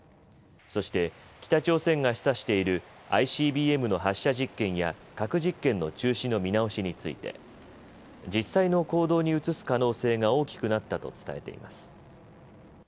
そして、北朝鮮が示唆しているＩＣＢＭの発射実験や核実験の中止の見直しについて実際の行動に移す可能性が大きくなったと伝えています。